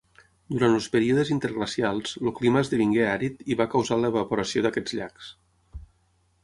Durant els períodes interglacials, el clima esdevingué àrid i va causar l'evaporació d'aquests llacs.